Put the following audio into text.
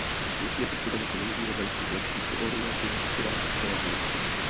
Nutně potřebujeme co nejdříve zajistit lepší koordinaci hospodářské politiky.